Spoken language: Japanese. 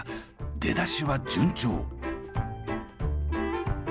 出だしは順調！